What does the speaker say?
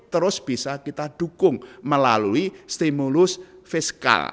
terus bisa kita dukung melalui stimulus fiskal